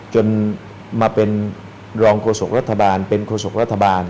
จนมาเป็นรองโฆษกรัฐบาลเป็นโฆษกรัฐบาล